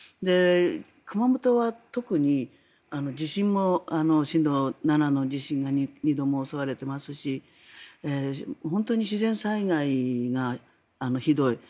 熊本は特に地震も震度７の地震に２度も襲われていますし本当に自然災害がひどい。